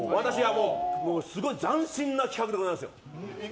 すごい斬新な企画でございますよ。